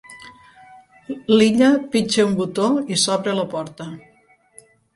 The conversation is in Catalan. L'Illa pitja un botó i s'obre la porta.